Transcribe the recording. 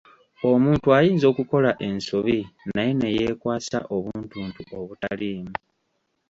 Omuntu ayinza okukola ensobi naye neyeekwasa obuntuntu obutaliimu.